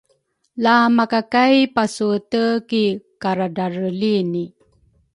La makakay pasuete ki karadrare lini